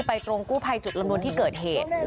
ตรงกู้ภัยจุดลำดวนที่เกิดเหตุ